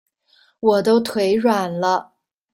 我都腿軟了